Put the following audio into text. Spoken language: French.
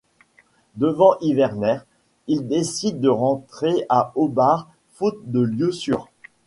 Devant hiverner, il décide de rentrer à Hobart faute de lieux sûrs.